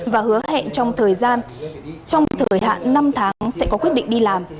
và hứa hẹn trong thời gian trong thời hạn năm tháng sẽ có quyết định đi làm